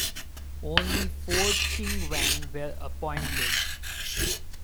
Only four "chinwang" were appointed.